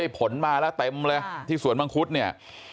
ผลมาแล้วเต็มเลยที่สวนมังคุดเนี่ย